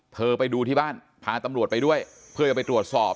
ไปดูที่บ้านพาตำรวจไปด้วยเพื่อจะไปตรวจสอบ